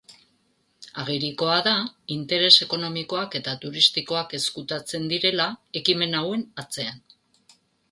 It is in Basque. Agerikoa da, interes ekonomikoak eta turistikoak ezkutatzen direla ekimen hauen atzean.